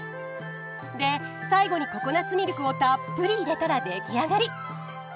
で最後にココナッツミルクをたっぷり入れたら出来上がり！